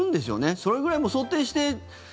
それぐらい、もう想定して。